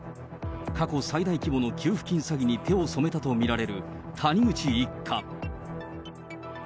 過去最大規模の給付金詐欺に手を染めたと見られる谷口一家。